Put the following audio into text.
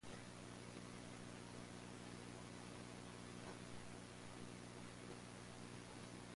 The conflict with big business ultimately pushed him to downfall.